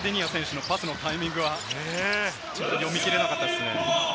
今のコーディニア選手のパスのタイミングは読み切れなかったですね。